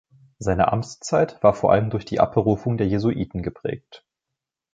Seine Amtszeit war vor allem durch die Abberufung der Jesuiten geprägt.